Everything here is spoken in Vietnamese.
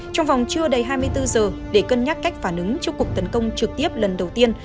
trong vòng chưa đầy hai mươi bốn giờ để cân nhắc cách phản ứng trước cuộc tấn công trực tiếp lần đầu tiên